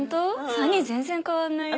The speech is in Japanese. ３人全然変わんないよ。